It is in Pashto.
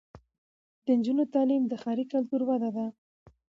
د نجونو تعلیم د ښاري کلتور وده ده.